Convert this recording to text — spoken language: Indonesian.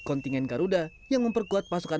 kontingen garuda yang memperkuat pasukan